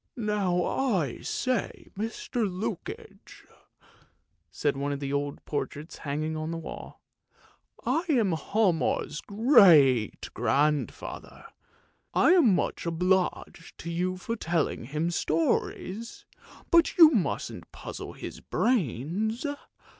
" Now, I say, Mr. Lukoie," said one of the old portraits hanging on the wall, " I am Hialmar's great grandfather; I am 35% ANDERSEN'S FAIRY TALES much obliged to you for telling him stories, but you mustn't puzzle his brains.